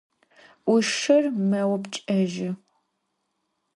Uşşır meupçç'ejı.